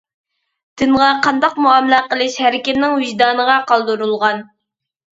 دىنغا قانداق مۇئامىلە قىلىش ھەركىمنىڭ ۋىجدانىغا قالدۇرۇلغان.